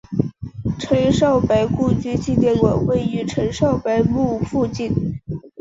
陈少白故居纪念馆位于陈少白墓附近。